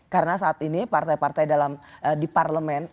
karena saat ini partai partai dalam di parlemen yang mendukung